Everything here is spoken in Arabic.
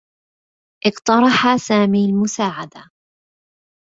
اقترح سامي المساعدة.